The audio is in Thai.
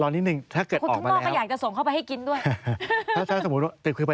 รอนิดนึงถ้าเกิดออกมาแล้วคุณทุกนอกเขาอยากจะส่งเข้าไปให้กินด้วย